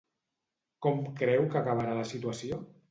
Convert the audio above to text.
Com creu que acabarà la situació?